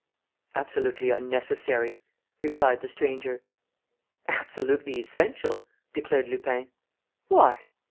"Absolutely unnecessary," replied the stranger. "Absolutely essential," declared Lupin. "Why?"